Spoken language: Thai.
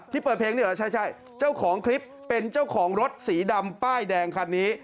เปิดเพลงนี่เหรอใช่เจ้าของคลิปเป็นเจ้าของรถสีดำป้ายแดงคันนี้